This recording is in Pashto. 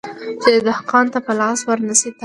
چي دهقان ته په لاس ورنه سي تارونه